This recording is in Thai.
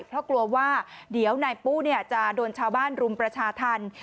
เพราะกลัวว่าเดี๋ยวนายปู้จะโดนชาวบ้านรุมประชาธรรม